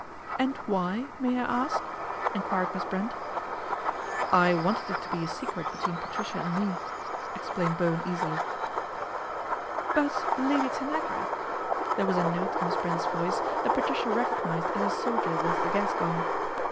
" And why, may I ask ?" enquired Miss Brent. <!" I wanted it to be a secret between Patricia and me," explained Bowen easily. " But, Lady Tanagra " There was a note ir ' t Miss Brent's voice that Patricia recognised as '<. I soldier does the gas gong.